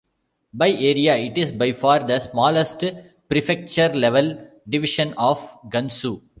By area, it is by far the smallest prefecture-level division of Gansu.